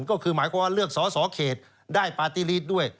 ก็คือหมายความว่าเลือกสอสอเขตได้ปฏิฤทธิ์ด้วย